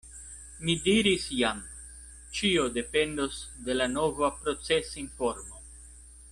Mi diris jam: ĉio dependos de la nova procesinformo.